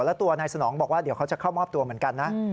แล้วตัวนายสนองบอกว่าเดี๋ยวเขาจะเข้ามอบตัวเหมือนกันนะ